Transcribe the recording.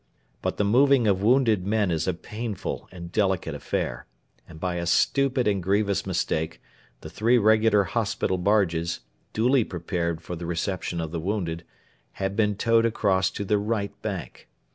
But the moving of wounded men is a painful and delicate affair, and by a stupid and grievous mistake the three regular hospital barges, duly prepared for the reception of the wounded, had been towed across to the right bank.